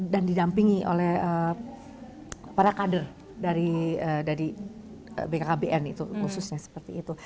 dan didampingi oleh para kader dari bkkbn itu khususnya seperti itu